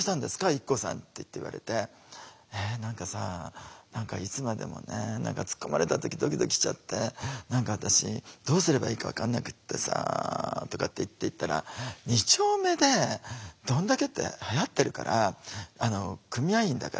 ＩＫＫＯさん」って言われて「え？何かさ何かいつまでもね何か突っ込まれた時ドキドキしちゃって何か私どうすればいいか分かんなくってさ」とかって言って言ったら「２丁目で『どんだけ』ってはやってるから組合員だから」。